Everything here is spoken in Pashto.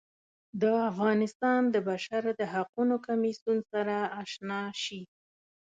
د افغانستان د بشر د حقونو کمیسیون سره اشنا شي.